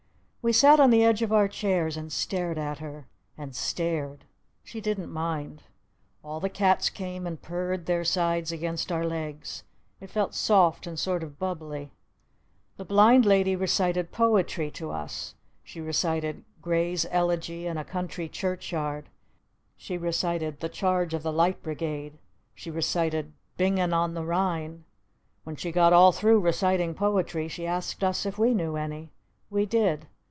We sat on the edge of our chairs. And stared at her. And stared. She didn't mind. All the cats came and purred their sides against our legs. It felt soft and sort of bubbly. The Blinded Lady recited poetry to us. She recited "Gray's Elegy in a Country Churchyard." She recited "The Charge of the Light Brigade." She recited "Bingen on the Rhine." When she got all through reciting poetry she asked us if we knew any. We did.